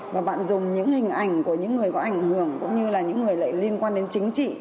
và bạn dùng những hình ảnh của những người có ảnh hưởng cũng như là những người lại liên quan đến chính trị